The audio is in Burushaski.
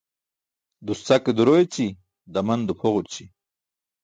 Duscake duro eći daman duphogurći